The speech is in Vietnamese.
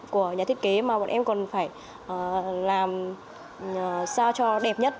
của nhà thiết kế mà bọn em còn phải làm sao cho đẹp nhất